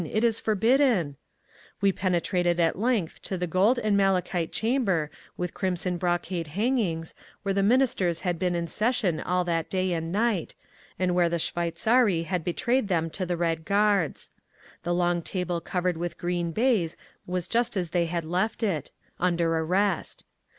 _ It is forbidden—" We penetrated at length to the gold and malachite chamber with crimson brocade hangings where the Ministers had been in session all that day and night, and where the shveitzari had betrayed them to the Red Guards. The long table covered with green baize was just as they had left it, under arrest.